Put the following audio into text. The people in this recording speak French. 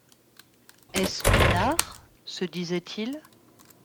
Est-ce Pinard ? se disait-il.